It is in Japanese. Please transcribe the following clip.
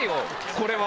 「これは⁉」。